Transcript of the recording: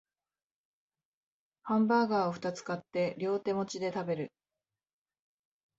ハンバーガーをふたつ買って両手持ちで食べる